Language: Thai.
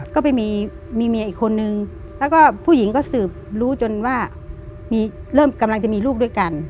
ก็ไปมีเมียอีกคนนึงแล้วก็ผู้หญิงก็สืบรู้จนว่าเริ่มกำลังจะมีลูกด้วยกัน